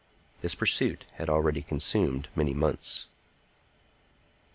This pursuit had already consumed many months.